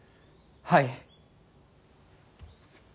はい。